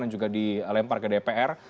yang juga dilempar ke dpr